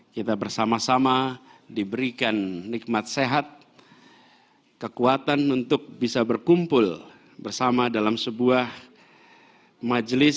kita bersama sama diberikan nikmat sehat kekuatan untuk bisa berkumpul bersama dalam sebuah majelis